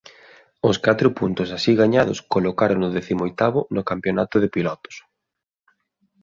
Os catro puntos así gañados colocárono décimo oitavo no Campionato de Pilotos.